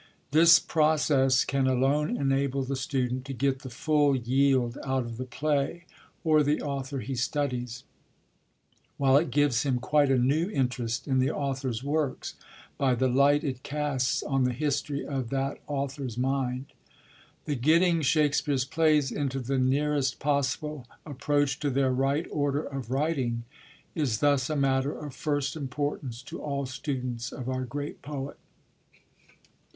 This process can alone enable the student to get the full yield out of the play or the author he studies ; while it gives him quite a new interest in the author's works, by the light it casts on the history of that author's mind. The getting Shakspere's plays into the nearest possible approach to their right order of writing, is thus a matter of first importance to all students of our great poet.